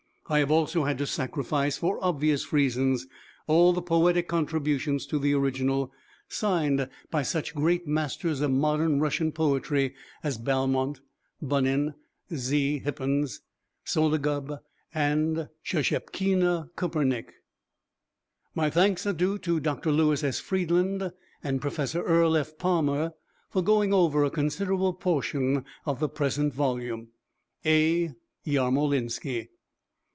I have also had to sacrifice, for obvious reasons, all the poetic contributions to the original, signed by such great masters of modern Russian poetry as Balmont, Bunin, Z. Hippins, Sologub, and Shchepkina Kupernik. My thanks are due to Dr. Louis S. Friedland and Professor Earle F. Palmer for going over a considerable portion of the present volume. A. YARMOLINSKY.